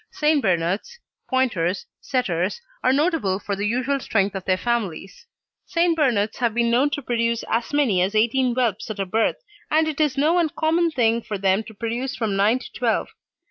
St. Bernards, Pointers, Setters are notable for the usual strength of their families. St. Bernards have been known to produce as many as eighteen whelps at a birth, and it is no uncommon thing for them to produce from nine to twelve.